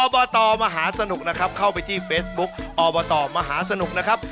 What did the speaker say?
บตมหาสนุกนะครับเข้าไปที่เฟซบุ๊กอบตมหาสนุกนะครับ